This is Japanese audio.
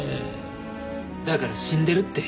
だから死んでるって。